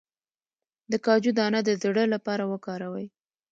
د کاجو دانه د زړه لپاره وکاروئ